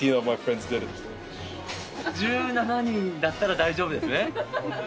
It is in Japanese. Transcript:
１７人だったら大丈夫ですね。